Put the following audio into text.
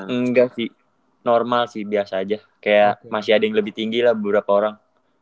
enggak sih normal sih biasa aja kayak masih ada yang lebih tinggi lah beberapa orang